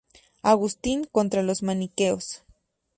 Agustín, contra los maniqueos.